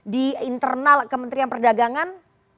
di internal kementerian perdagangan